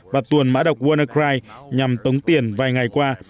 và tuồn mã độc wannacry nhằm tống tiền vài ngày qua